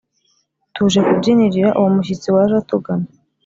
Tuje kubyinirira uwo mushyitsi waje atugana